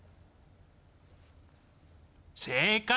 正解！